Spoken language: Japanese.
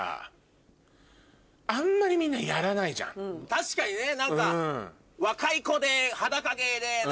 確かにね何か。